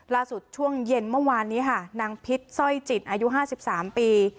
ช่วงเย็นเมื่อวานนี้ค่ะนางพิษสร้อยจิตอายุ๕๓ปี